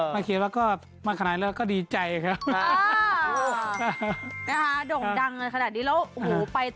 เมื่อเขียนว่าก็มาขนาดนี้แล้วก็ดีใจครับ